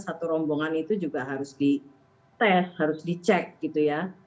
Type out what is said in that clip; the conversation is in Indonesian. satu rombongan itu juga harus dites harus dicek gitu ya